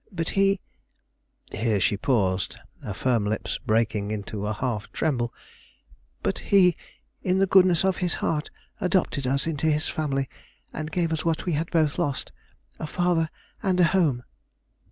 But he" here she paused, her firm lips breaking into a half tremble "but he, in the goodness of his heart, adopted us into his family, and gave us what we had both lost, a father and a home."